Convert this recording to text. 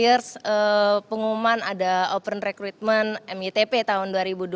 ya jadi awalnya nemu slayers pengumuman ada open recruitment mytp tahun dua ribu dua puluh empat